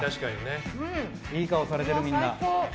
いい顔されてる、みんな。